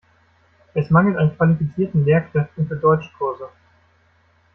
Es mangelt an qualifizierten Lehrkräften für Deutschkurse.